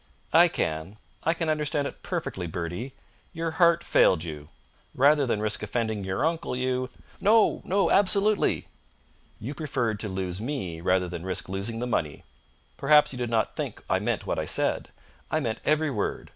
"I can. I can understand it perfectly, Bertie. Your heart failed you. Rather than risk offending your uncle you " "No, no! Absolutely!" "You preferred to lose me rather than risk losing the money. Perhaps you did not think I meant what I said. I meant every word.